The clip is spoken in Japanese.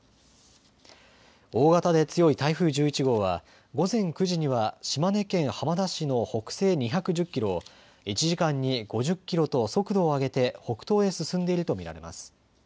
大型で強い台風１１号は午前９時には島根県浜田市の北西２１０キロを１時間に５０キロと速度を上げて北東へ進んでいると見られます。